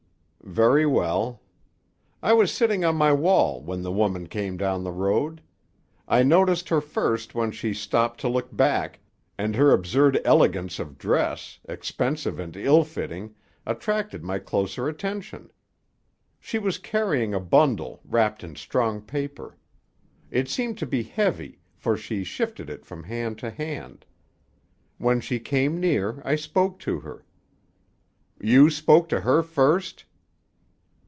"Very well. I was sitting on my wall when the woman came down the road. I noticed her first when she stopped to look back, and her absurd elegance of dress, expensive and ill fitting, attracted my closer attention. She was carrying a bundle, wrapped in strong paper. It seemed to be heavy, for she shifted it from hand to hand. When she came near, I spoke to her—" "You spoke to her first?"